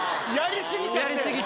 やり過ぎて？